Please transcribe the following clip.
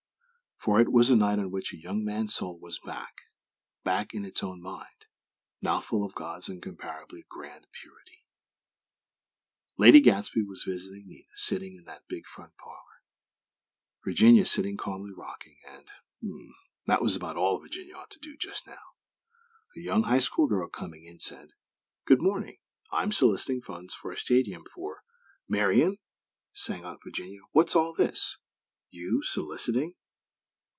_" For it was a night on which a young man's Soul was back; back in its own Mind, now full of God's incomparably grand purity! Lady Gadsby was visiting Nina, sitting in that big front parlor; Virginia sitting calmly rocking; (and, hmmm! That was about all Virginia ought to do, just now!) A young High School girl, coming in, said; "Good morning! I'm soliciting for funds for a stadium for " "Marian!" sang out Virginia, "What's all this? You, soliciting?"